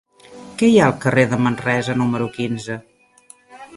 Què hi ha al carrer de Manresa número quinze?